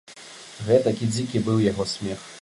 Гэтакі дзікі быў яго смех.